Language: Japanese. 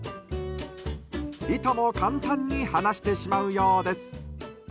いとも簡単に放してしまうようです。